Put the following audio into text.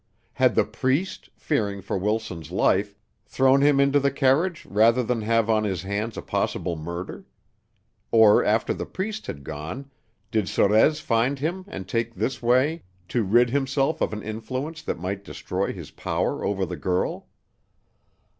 Had the priest, fearing for Wilson's life, thrown him into the carriage rather than have on his hands a possible murder? Or after the priest had gone did Sorez find him and take this way to rid himself of an influence that might destroy his power over the girl?